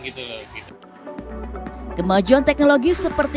kemajuan teknologi seperti kehadiran ai seharusnya memacu para tenaga kerja